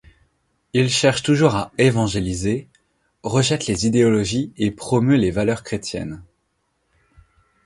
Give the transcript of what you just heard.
Il cherche toujours à évangéliser, rejette les idéologies et promeut les valeurs chrétiennes.